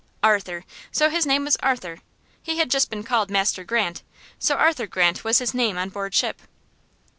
Arthur! So his name was Arthur! He had just been called Master Grant, so Arthur Grant was his name on board ship.